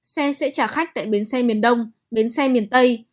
xe sẽ trả khách tại bến xe miền đông bến xe miền tây